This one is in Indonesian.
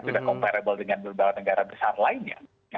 sudah comparable dengan berbagai negara besar lainnya